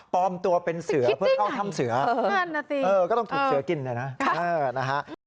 ปลอมตัวเป็นเสือเพื่อเข้าถ้ำเสือเออก็ต้องถูกเสือกินเลยนะค่ะนะฮะ